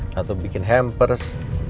nggak bikin hampers